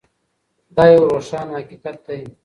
دا یو روښانه حقیقت دی.